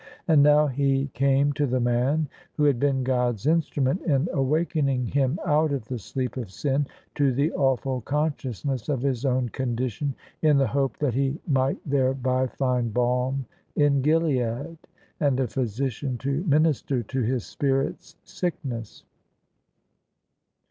And now he came to the man, who had been God*s instrument in awakening him out of the sleep of sin to the awful con sciousness of his own condition, in the hope that he might [ 342 ] OF ISABEL CARJ^ABY thereby find balm in Gilead, and a physician to minister to his spirit's sickness.